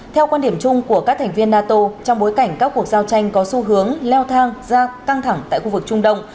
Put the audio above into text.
theo quan điểm chung của các thành viên nato trong bối cảnh các cuộc giao tranh có xu hướng leo thang ra căng thẳng tại khu vực trung đông